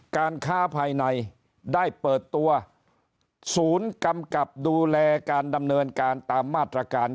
การค้าภายในได้เปิดตัวศูนย์กำกับดูแลการดำเนินการตามมาตรการ